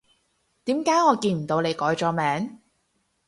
點解我見唔到你改咗名？